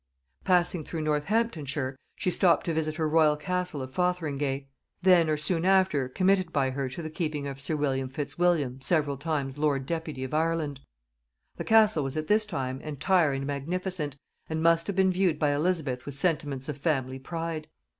Passing through Northamptonshire, she stopped to visit her royal castle of Fotheringay, then, or soon after, committed by her to the keeping of sir William Fitzwilliam several times lord deputy of Ireland. The castle was at this time entire and magnificent, and must have been viewed by Elizabeth with sentiments of family pride.